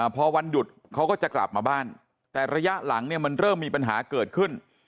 พอวันหยุดเขาก็จะกลับมาบ้านแต่ระยะหลังเนี่ยมันเริ่มมีปัญหาเกิดขึ้น